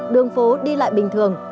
đường phố đi lại bình thường